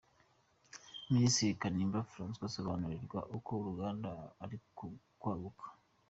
Minisitiri Kanimba Francois asobanurirwa uko uruganda ruri kwagurwa.